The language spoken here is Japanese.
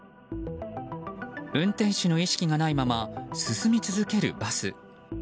運転手の意識がないまま進み続けるバス。